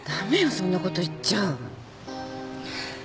そんなこと言っちゃ。